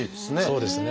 そうですね。